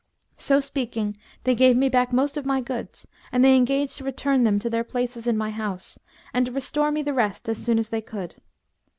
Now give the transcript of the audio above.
So speaking, they gave me back most of my goods and they engaged to return them to their places in my house, and to restore me the rest as soon as they could.